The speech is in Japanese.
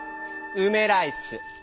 うめライス。